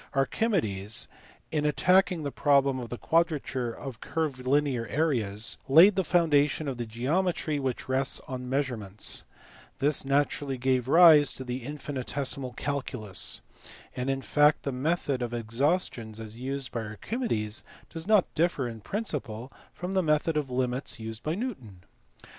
Archimedes, in attacking the problem of the quadrature of curvilinear areas, laid the foundation of the geometry which rests on measure ments; this naturally gave rise to the infinitesimal calculus, and in fact the method of exhaustions as used by Archi medes does not differ in principle from the method of limits as used by Newton.